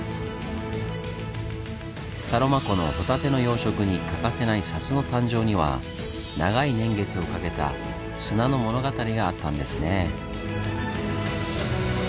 サロマ湖のホタテの養殖に欠かせない砂州の誕生には長い年月をかけた砂の物語があったんですね。